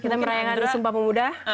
kita merayakan sumpah pemuda